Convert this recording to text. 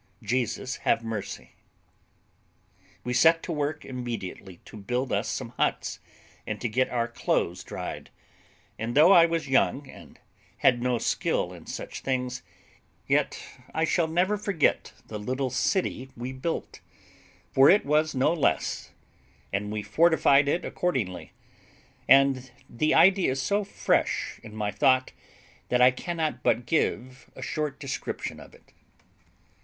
Jesus have mercy." We set to work immediately to build us some huts, and to get our clothes dried; and though I was young and had no skill in such things, yet I shall never forget the little city we built, for it was no less, and we fortified it accordingly; and the idea is so fresh in my thought, that I cannot but give a short description of it.